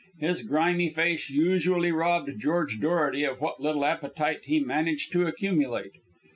His grimy face usually robbed George Dorety of what little appetite he managed to accumulate.